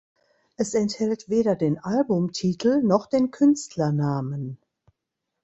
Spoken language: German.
Es enthält weder den Albumtitel noch den Künstlernamen.